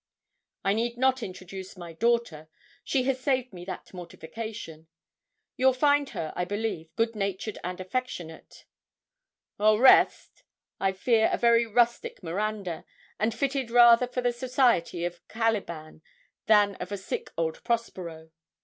'I need not introduce my daughter; she has saved me that mortification. You'll find her, I believe, good natured and affectionate; au reste, I fear a very rustic Miranda, and fitted rather for the society of Caliban than of a sick old Prospero.